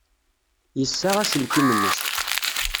Yessaɣ aselkim-nnes.